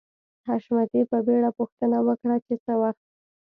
حشمتي په بېړه پوښتنه وکړه چې څه وخت